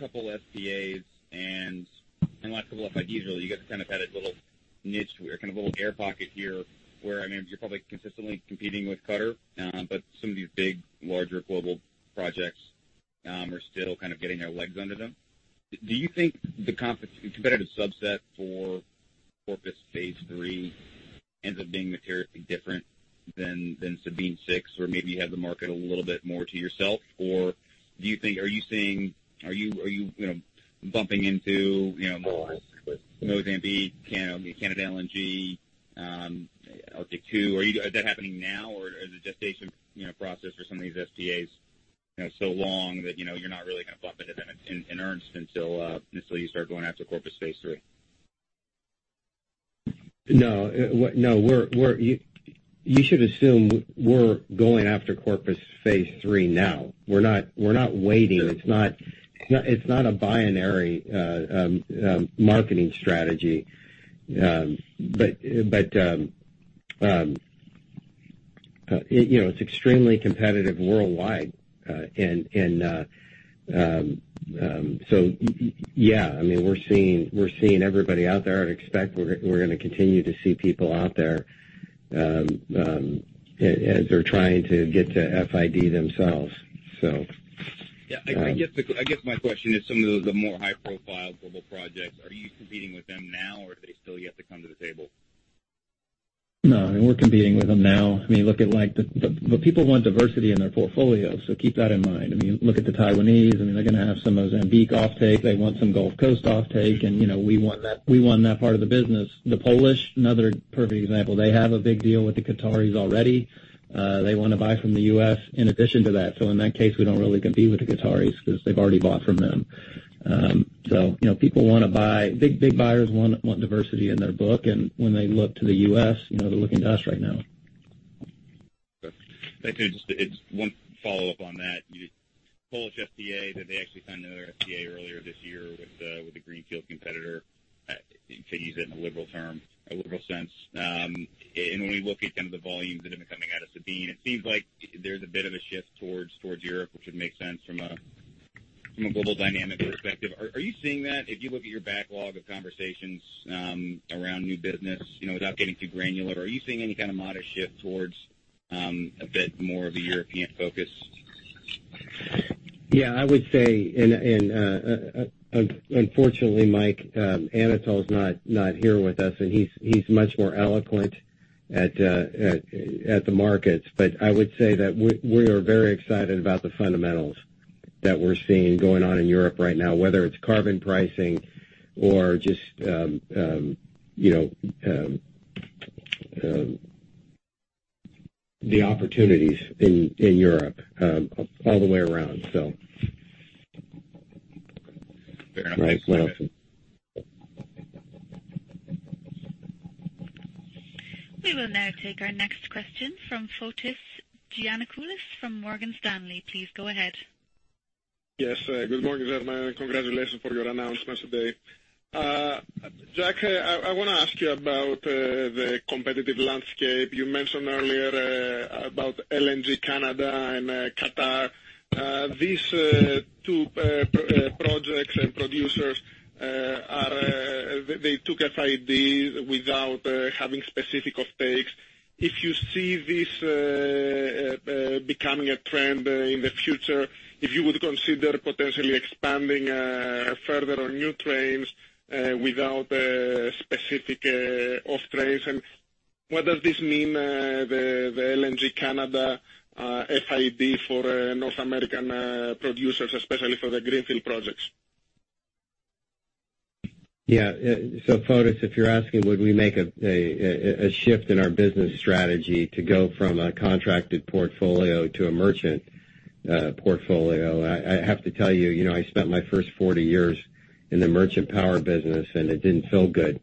couple of FDAs and the last couple of FIDs, really, you guys have kind of had a little niche, kind of a little air pocket here where you're probably consistently competing with Qatar. Some of these big, larger global projects are still kind of getting their legs under them. Do you think the competitive subset for Corpus Stage 3 ends up being materially different than Sabine Pass 6, or maybe you have the market a little bit more to yourself? Are you bumping into Mozambique, LNG Canada, Arctic 2? Is that happening now or is the gestation process for some of these FIDs so long that you're not really going to bump into them in earnest until you start going after Corpus Phase III? No. You should assume we're going after Corpus Phase III now. We're not waiting. It's not a binary marketing strategy. It's extremely competitive worldwide. Yeah, we're seeing everybody out there. I'd expect we're going to continue to see people out there as they're trying to get to FID themselves. Yeah, I guess my question is some of the more high-profile global projects, are you competing with them now, or do they still yet to come to the table? No, we're competing with them now. People want diversity in their portfolio, keep that in mind. Look at the Taiwanese, they're going to have some Mozambique offtake. They want some Gulf Coast offtake, and we won that part of the business. The Polish, another perfect example. They have a big deal with the Qataris already. They want to buy from the U.S. in addition to that. In that case, we don't really compete with the Qataris because they've already bought from them. Big buyers want diversity in their book, and when they look to the U.S., they're looking to us right now. Thank you. Just one follow-up on that. The Polish FID, did they actually sign another FID earlier this year with a greenfield competitor, to use it in a liberal sense? When we look at kind of the volumes that have been coming out of Sabine, it seems like there's a bit of a shift towards Europe, which would make sense from a From a global dynamic perspective, are you seeing that if you look at your backlog of conversations around new business? Without getting too granular, are you seeing any kind of modest shift towards a bit more of a European focus? Yeah, I would say, unfortunately, Mike, Anatol is not here with us, and he's much more eloquent at the markets. I would say that we are very excited about the fundamentals that we're seeing going on in Europe right now, whether it's carbon pricing or just the opportunities in Europe all the way around. Fair enough. We will now take our next question from Fotis Giannakoulis from Morgan Stanley. Please go ahead. Yes. Good morning, gentlemen. Congratulations for your announcement today. Jack, I want to ask you about the competitive landscape. You mentioned earlier about LNG Canada and Qatar. These two projects and producers, they took FIDs without having specific offtakes. If you see this becoming a trend in the future, if you would consider potentially expanding further on new trains without specific offtakes, and what does this mean, the LNG Canada FID for North American producers, especially for the greenfield projects? Yeah. Fotis, if you're asking would we make a shift in our business strategy to go from a contracted portfolio to a merchant portfolio, I have to tell you, I spent my first 40 years in the merchant power business, it didn't feel good.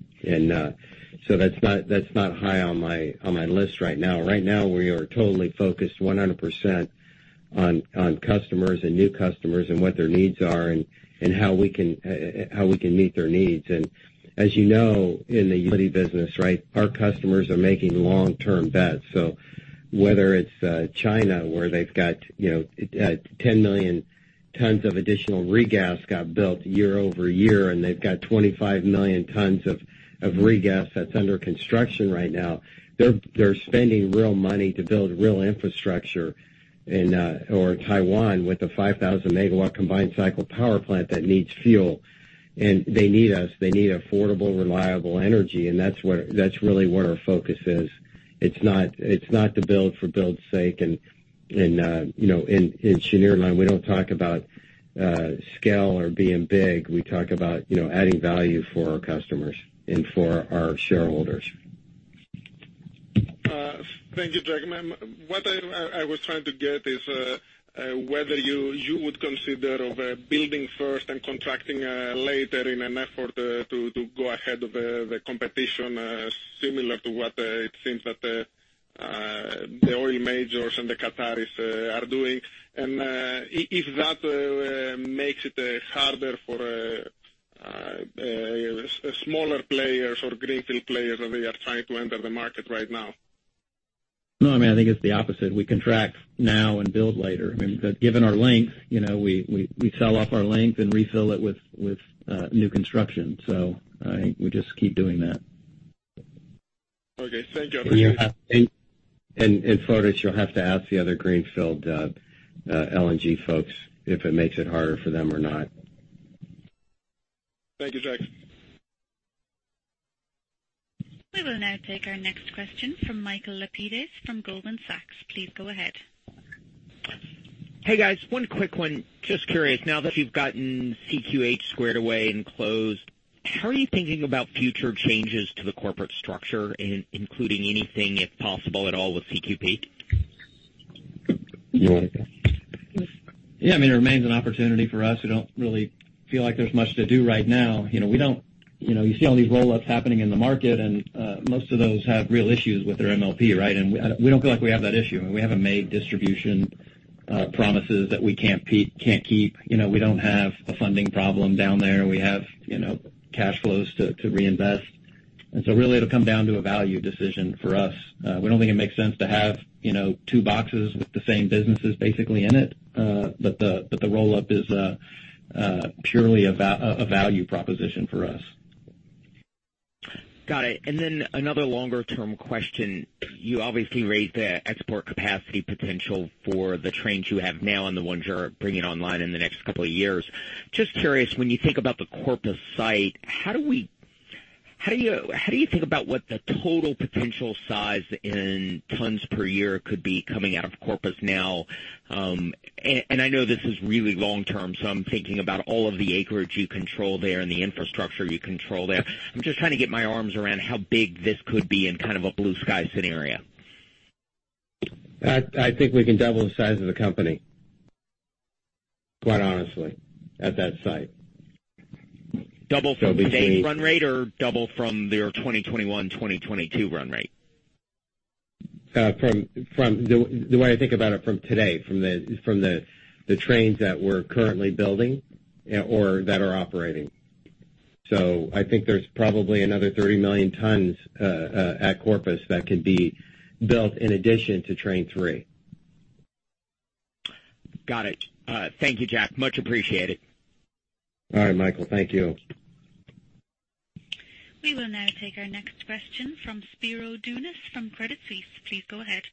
That's not high on my list right now. Right now, we are totally focused 100% on customers and new customers and what their needs are and how we can meet their needs. As you know, in the utility business, our customers are making long-term bets. Whether it's China, where they've got 10 million tons of additional regas got built year-over-year, they've got 25 million tons of regas that's under construction right now. They're spending real money to build real infrastructure. Taiwan with a 5,000-megawatt combined cycle power plant that needs fuel. They need us. They need affordable, reliable energy, and that's really where our focus is. It's not to build for build's sake. In Cheniere land, we don't talk about scale or being big. We talk about adding value for our customers and for our shareholders. Thank you, Jack. What I was trying to get is whether you would consider building first and contracting later in an effort to go ahead of the competition similar to what it seems that the oil majors and the Qataris are doing. If that makes it harder for smaller players or greenfield players as they are trying to enter the market right now. No, I think it's the opposite. We contract now and build later. Given our length, we sell off our length and refill it with new construction. I think we just keep doing that. Okay. Thank you. I appreciate it. Fotis, you'll have to ask the other greenfield LNG folks if it makes it harder for them or not. Thank you, Jack. We will now take our next question from Michael Lapides from Goldman Sachs. Please go ahead. Hey, guys. One quick one. Just curious, now that you've gotten CQH squared away and closed, how are you thinking about future changes to the corporate structure, including anything, if possible at all, with CQP? You want to take that? Yeah. It remains an opportunity for us. We don't really feel like there's much to do right now. You see all these roll-ups happening in the market, Most of those have real issues with their MLP. We don't feel like we have that issue. We haven't made distribution promises that we can't keep. We don't have a funding problem down there. We have cash flows to reinvest. Really, it'll come down to a value decision for us. We don't think it makes sense to have two boxes with the same businesses basically in it. The roll-up is purely a value proposition for us. Got it. Then another longer-term question. You obviously raised the export capacity potential for the trains you have now and the ones you're bringing online in the next couple of years. Just curious, when you think about the Corpus site, how do you think about what the total potential size in tons per year could be coming out of Corpus now? I know this is really long-term, so I'm thinking about all of the acreage you control there and the infrastructure you control there. I'm just trying to get my arms around how big this could be in kind of a blue sky scenario. I think we can double the size of the company, quite honestly, at that site. Double from today's run rate or double from their 2021, 2022 run rate? The way I think about it from today, from the trains that we're currently building or that are operating. I think there's probably another 30 million tons at Corpus that can be built in addition to train 3. Got it. Thank you, Jack. Much appreciated. All right, Michael. Thank you. We will now take our next question from Spiro Dounis from Credit Suisse. Please go ahead.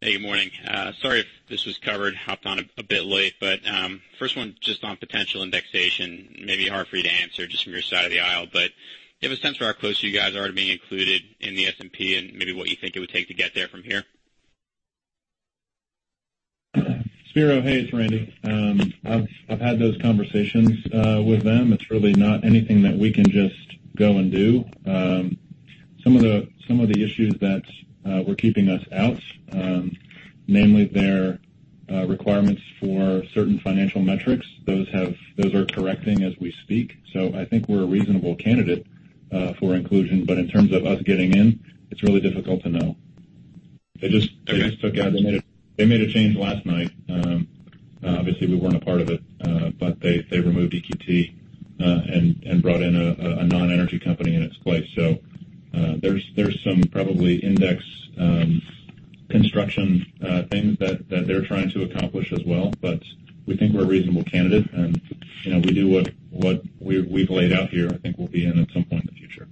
Hey, good morning. Sorry if this was covered. Hopped on a bit late. First one just on potential indexation. Maybe hard for you to answer just from your side of the aisle, but do you have a sense for how close you guys are to being included in the S&P and maybe what you think it would take to get there from here? Spiro, hey, it's Randy. I've had those conversations with them. It's really not anything that we can just go and do. Some of the issues that were keeping us out, namely their requirements for certain financial metrics, those are correcting as we speak. I think we're a reasonable candidate for inclusion. In terms of us getting in, it's really difficult to know. They made a change last night. Obviously, we weren't a part of it. They removed EQT and brought in a non-energy company in its place. There's some probably index construction things that they're trying to accomplish as well. We think we're a reasonable candidate, and we do what we've laid out here. I think we'll be in at some point in the future.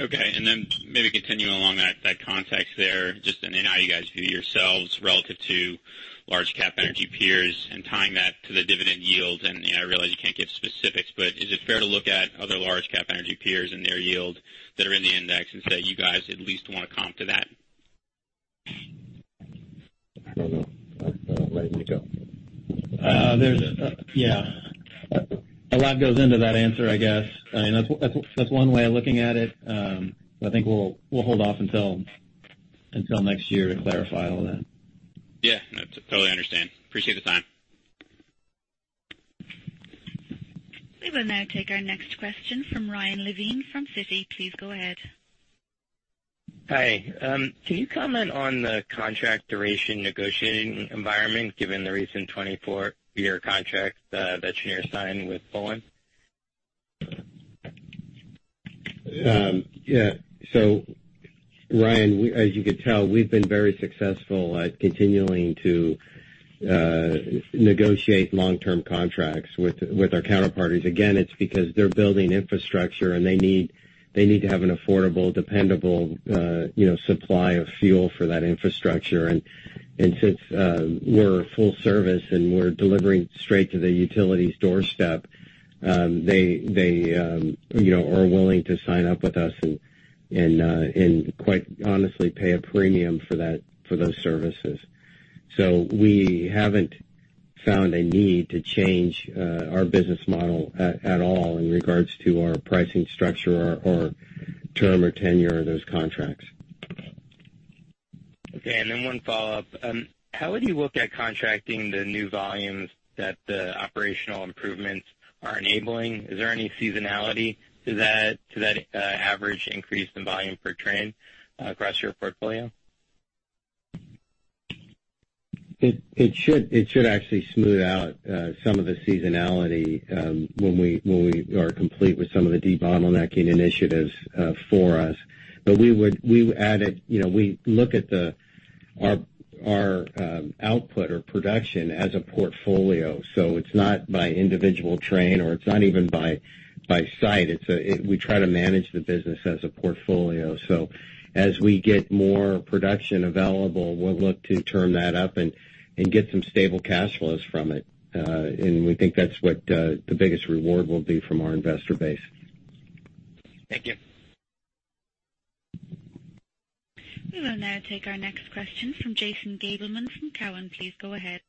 Okay. Then maybe continuing along that context there, just in how you guys view yourselves relative to large cap energy peers and tying that to the dividend yield. I realize you can't give specifics, but is it fair to look at other large cap energy peers and their yield that are in the index and say you guys at least want to comp to that? I don't know. Randy, you go. A lot goes into that answer, I guess. That's one way of looking at it. I think we'll hold off until next year to clarify all that. Totally understand. Appreciate the time. We will now take our next question from Ryan Levine from Citi. Please go ahead. Hi. Can you comment on the contract duration negotiating environment given the recent 24-year contract that Cheniere signed with Poland? Ryan, as you can tell, we've been very successful at continuing to negotiate long-term contracts with our counterparties. It's because they're building infrastructure, and they need to have an affordable, dependable supply of fuel for that infrastructure. Since we're full service and we're delivering straight to the utility's doorstep, they are willing to sign up with us and quite honestly pay a premium for those services. We haven't found a need to change our business model at all in regards to our pricing structure or term or tenure of those contracts. Okay. Then one follow-up. How would you look at contracting the new volumes that the operational improvements are enabling? Is there any seasonality to that average increase in volume per train across your portfolio? It should actually smooth out some of the seasonality when we are complete with some of the debottlenecking initiatives for us. We look at our output or production as a portfolio. It's not by individual train or it's not even by site. We try to manage the business as a portfolio. As we get more production available, we'll look to turn that up and get some stable cash flows from it. We think that's what the biggest reward will be from our investor base. Thank you. We will now take our next question from Jason Gabelman from Cowen. Please go ahead.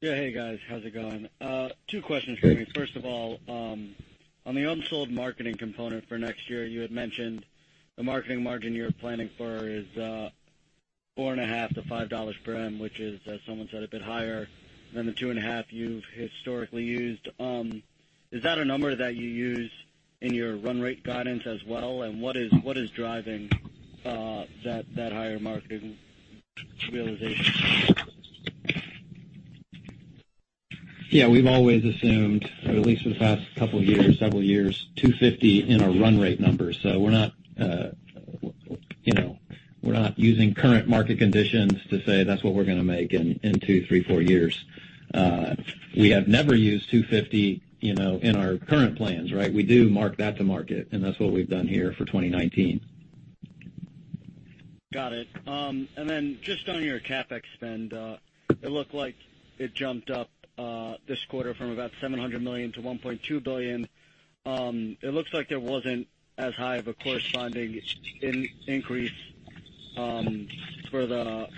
Yeah. Hey, guys. How's it going? Two questions for me. First of all, on the unsold marketing component for next year, you had mentioned the marketing margin you're planning for is $4.50-$5 per M, which is, as someone said, a bit higher than the $2.50 you've historically used. Is that a number that you use in your run rate guidance as well? What is driving that higher marketing realization? Yeah, we've always assumed, at least for the past couple years, several years, $2.50 in our run rate numbers. We're not using current market conditions to say that's what we're going to make in two, three, four years. We have never used $2.50 in our current plans, right? We do mark that to market, and that's what we've done here for 2019. Got it. Just on your CapEx spend, it looked like it jumped up this quarter from about $700 million-$1.2 billion. It looks like there wasn't as high of a corresponding increase for the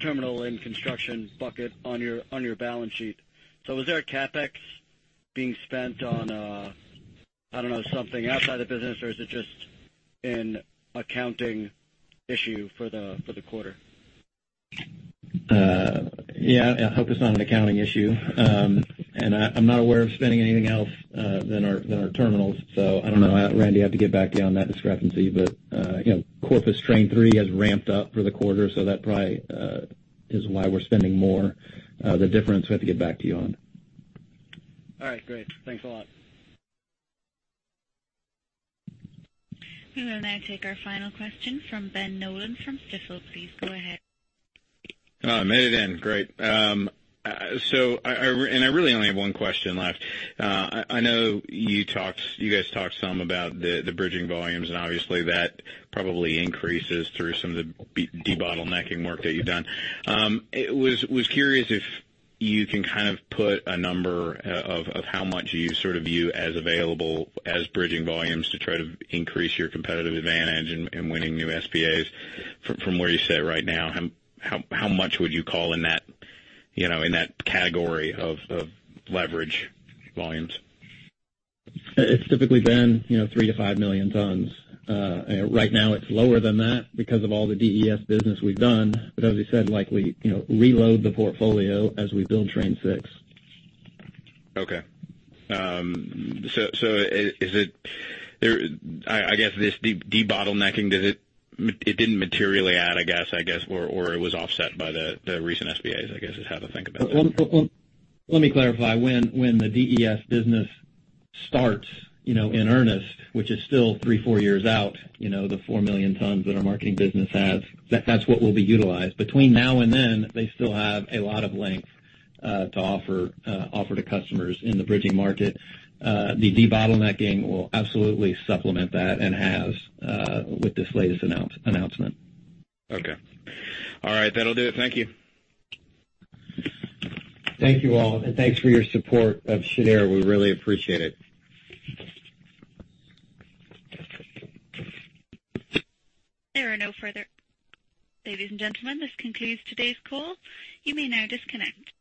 terminal in construction bucket on your balance sheet. Was there a CapEx being spent on, I don't know, something outside the business, or is it just an accounting issue for the quarter? Yeah. I hope it's not an accounting issue. I'm not aware of spending anything else than our terminals. I don't know. Randy, I have to get back to you on that discrepancy. Corpus Train 3 has ramped up for the quarter, so that probably Is why we're spending more. The difference, we have to get back to you on. All right, great. Thanks a lot. We will now take our final question from Ben Nolan from Stifel. Please go ahead. Oh, I made it in. Great. I really only have one question left. I know you guys talked some about the bridging volumes, and obviously that probably increases through some of the debottlenecking work that you've done. Was curious if you can kind of put a number of how much you sort of view as available as bridging volumes to try to increase your competitive advantage in winning new SPAs from where you sit right now. How much would you call in that category of leverage volumes? It's typically been three to five million tons. Right now it's lower than that because of all the DES business we've done. As we said, likely reload the portfolio as we build train 6. Okay. I guess this debottlenecking, it didn't materially add, I guess, or it was offset by the recent SPAs, I guess, is how to think about that. Let me clarify. When the DES business starts in earnest, which is still three, four years out, the 4 million tons that our marketing business has, that's what will be utilized. Between now and then, they still have a lot of length to offer to customers in the bridging market. The debottlenecking will absolutely supplement that and has with this latest announcement. Okay. All right. That'll do it. Thank you. Thank you all. Thanks for your support of Cheniere. We really appreciate it. Ladies and gentlemen, this concludes today's call. You may now disconnect.